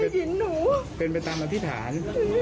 พ่อได้ยินหนูเป็นไปตามอธิษฐาน